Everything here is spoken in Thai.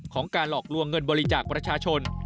การหลอกลวงเงินบริจาคประชาชน